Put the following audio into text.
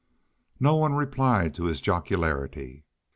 No one replied to his jocularity.